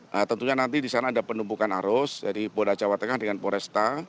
nah tentunya nanti di sana ada penumpukan arus dari polda jawa tengah dengan poresta